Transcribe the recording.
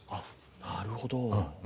なるほど。